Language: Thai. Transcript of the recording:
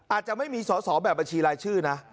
อาจจะไม่มีสอสอแบบบัญชีรายชื่อนะ